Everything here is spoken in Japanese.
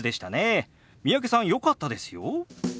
三宅さんよかったですよ。